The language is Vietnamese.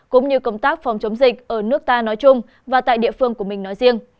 cũng như công tác phòng chống dịch ở nước ta nói chung và tại địa phương của mình nói riêng